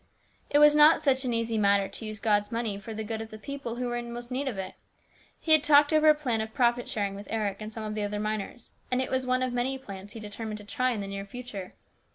It was not such an easy matter to use God's money for the good of the people who were most in need of it. He had talked over a plan of profit sharing with Eric and some of the other miners, and it was one of many plans he determined to try in the near future.